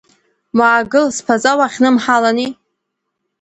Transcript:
Уаагыл, сԥаҵа уахьнымҳалани.